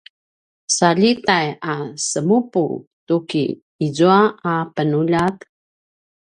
sa ljitai a semupu tuki izua a penuljat?